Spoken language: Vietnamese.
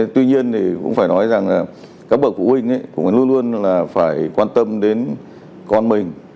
tuy nhiên thì cũng phải nói rằng là các bậc phụ huynh cũng phải luôn luôn là phải quan tâm đến con mình